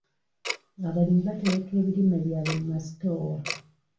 Abalimi batereka ebirime byabwe mu masitoowa.